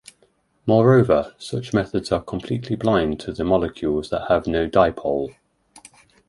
Moreover, such methods are completely blind to molecules that have no dipole.